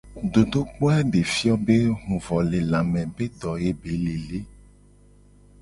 Dodokpo a de fio be huvolelame be do ye be le le.